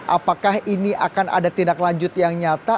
apakah ini akan ada tindak lanjut yang nyata